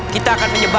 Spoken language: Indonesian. kita akan menyebar